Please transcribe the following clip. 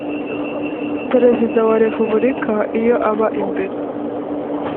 perezida wa repubulika iyo aba mbere